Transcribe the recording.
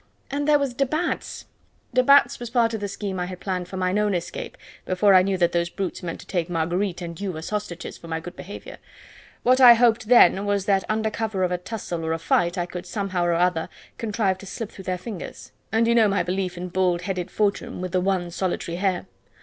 And there was de Batz " "De Batz was part of the scheme I had planned for mine own escape before I knew that those brutes meant to take Marguerite and you as hostages for my good behaviour. What I hoped then was that under cover of a tussle or a fight I could somehow or other contrive to slip through their fingers. It was a chance, and you know my belief in bald headed Fortune, with the one solitary hair.